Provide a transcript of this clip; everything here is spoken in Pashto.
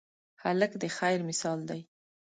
هلک د خیر مثال دی.